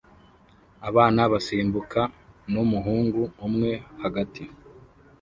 Abana basimbuka numuhungu umwe hagati